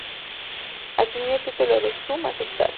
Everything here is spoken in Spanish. Asumió el título de "Su Majestad".